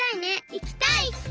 いきたい！